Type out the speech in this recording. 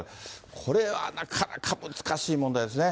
これはなかなか難しい問題ですね。